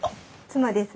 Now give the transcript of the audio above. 妻です。